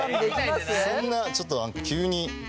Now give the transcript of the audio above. そんなちょっとあの急に。